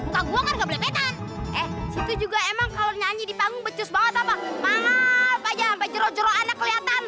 sampai jumpa di video selanjutnya